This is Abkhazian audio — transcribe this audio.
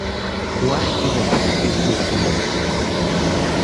Уахь инаҭрысит иаргьы.